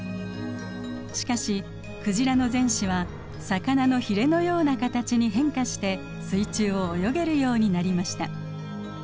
しかしクジラの前肢は魚のヒレのような形に変化して水中を泳げるようになりました。